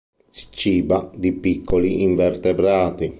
Si ciba di piccoli invertebrati.